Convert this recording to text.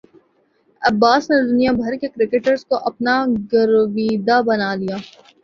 عباس نے دنیا بھر کے کرکٹرز کو اپنا گرویدہ بنا لیا